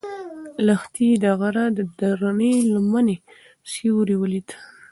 لښتې د غره د درنې لمنې سیوری ولید.